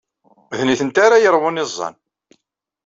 D nitenti ara yeṛwun iẓẓan.